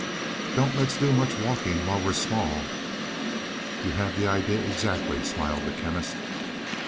"Don't let's do much walking while we're small." "You have the idea exactly," smiled the Chemist.